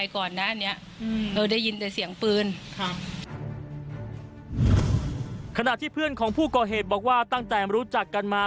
ขณะที่เพื่อนของผู้ก่อเหตุบอกว่าตั้งแต่รู้จักกันมา